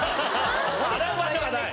洗う場所がない？